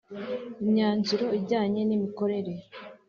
Imyanzuro ijyanye n imikorere